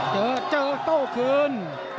เจอเจอโต้คืน